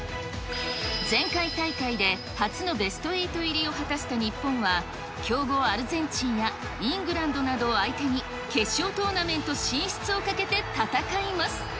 前回大会で初のベスト８入りを果たした日本は、強豪アルゼンチンや、イングランドなどを相手に決勝トーナメント進出をかけて戦います。